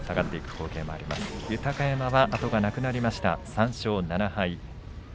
豊山は後がなくなりました３勝７敗。